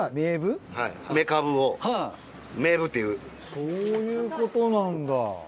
そういうことなんだ。